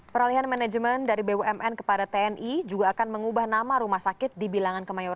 peralihan manajemen dari bumn kepada tni juga akan mengubah nama rumah sakit di bilangan kemayoran